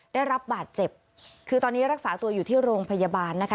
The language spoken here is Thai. ได้รับบาดเจ็บคือตอนนี้รักษาตัวอยู่ที่โรงพยาบาลนะคะ